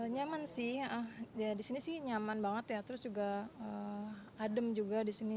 nyaman sih ya di sini sih nyaman banget ya terus juga adem juga di sini